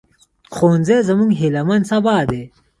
ښوونځی زموږ هيلهمن سبا دی